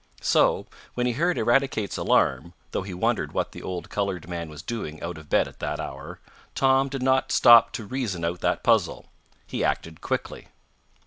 So, when he heard Eradicate's alarm, though he wondered what the old colored man was doing out of bed at that hour, Tom did not stop to reason out that puzzle. He acted quickly.